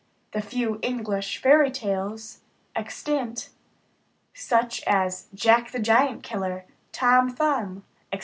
The few English fairy tales extant, such as Jack the Giant Killer, Tom Thumb, etc.